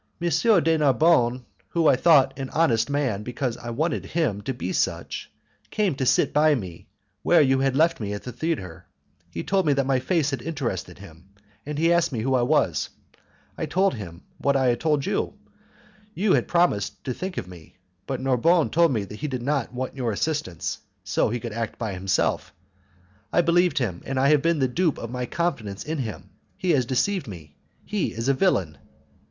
de Narbonne, whom I thought an honest man, because I wanted him to be such, came to sit by me where you had left me at the theatre; he told me that my face had interested him, and he asked me who I was. I told him what I had told you. You had promised to think of me, but Narbonne told me that he did not want your assistance, as he could act by himself. I believed him, and I have been the dupe of my confidence in him; he has deceived me; he is a villain."